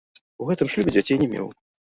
У гэтым шлюбе дзяцей не меў.